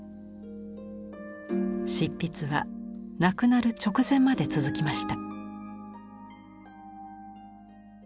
執筆は亡くなる直前まで続きました。